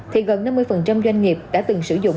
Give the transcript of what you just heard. thì gần năm mươi doanh nghiệp đã từng sử dụng